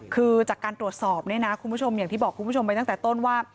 คือจากการตรวจสอบเนี่ยนะคุณผู้ชมอย่างที่บอกคุณผู้ชมไปตั้งแต่ต้นว่า